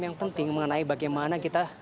yang penting mengenai bagaimana kita